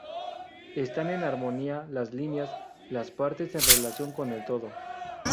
Están en armonía las líneas, las partes en relación con el todo.